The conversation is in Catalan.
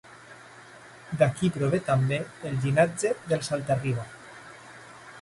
D'aquí prové també el llinatge dels Alta-riba.